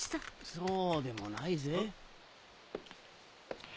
そうでもないぜ？